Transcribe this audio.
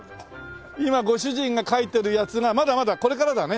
今ご主人が描いてるやつがまだまだこれからだね。